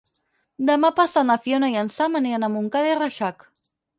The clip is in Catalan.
Demà passat na Fiona i en Sam aniran a Montcada i Reixac.